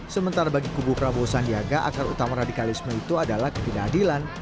sementara bagi kubu prabowo sandiaga akar utama radikalisme itu adalah ketidakadilan